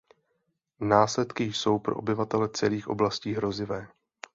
Následky jsou pro obyvatele celých oblastí hrozivé.